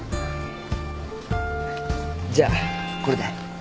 じゃあこれで。